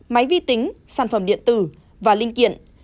máy vi tính sản phẩm điện tử và linh kiện